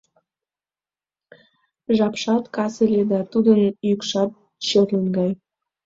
жапшат кас ыле да тудын йӱкшат черлын гай.